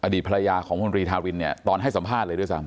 ดีตภรรยาของพลตรีธารินเนี่ยตอนให้สัมภาษณ์เลยด้วยซ้ำ